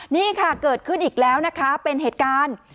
นี่ค่ะเกิดขึ้นอีกแล้วนะคะเป็นเหตุการณ์